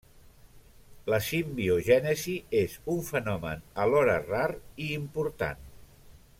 La simbiogènesi és un fenomen alhora rar i important.